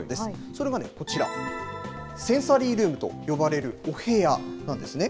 それがね、こちら、センサリールームと呼ばれるお部屋なんですね。